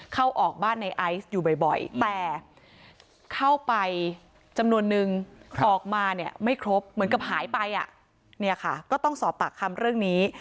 เข้าออกบ้านในไอซ์อยู่บ่อยแต่เข้าไปจำนวนนึงออกมาเนี่ยไม่ครบเหมือนกับหายไปอ่ะเนี่ยค่ะก็ต้องสอบปากคำเรื่องนี้